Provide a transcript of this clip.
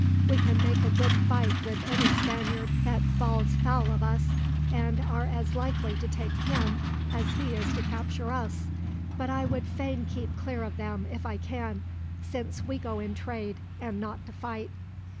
We can make a good fight with any Spaniard that falls foul of us, and are as likely to take him as he is to capture us; but I would fain keep clear of them, if I can, since we go to trade and not to fight.